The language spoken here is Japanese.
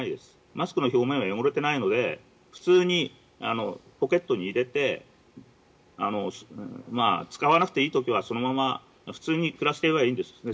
マスクの表面は汚れていないので普通にポケットに入れて使わなくていい時はそのまま普通に暮らせばいいんです。